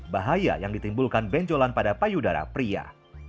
bahaya yang ditimbulkan benjolan pada payudara pria